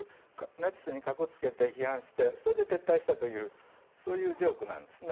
ナチスにかこつけて批判してそれで撤退したというそういうジョークなんですね。